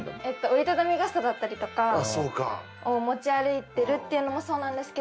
折り畳み傘だったりとかを持ち歩いてるっていうのもそうなんですけど。